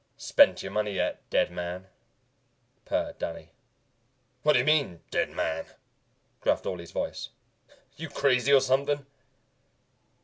"Spent your money yet, dead man?" purred Danny. "Whacha mean, dead man?" gruffed Orley's voice. "You crazy or something?"